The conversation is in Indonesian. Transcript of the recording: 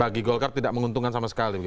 bagi golkar tidak menguntungkan sama sekali